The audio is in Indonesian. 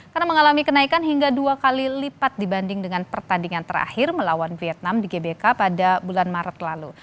karena mengalami kenaikan hingga dua kali lipat dibanding dengan pertandingan terakhir melawan vietnam di gbk pada bulan maret lalu